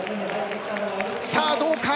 さあ、どうか？